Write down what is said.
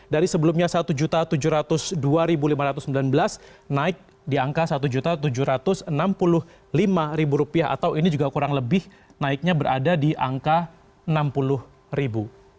dari sebelumnya rp satu tujuh ratus dua lima ratus sembilan belas naik di angka satu tujuh ratus enam puluh lima rupiah atau ini juga kurang lebih naiknya berada di angka enam puluh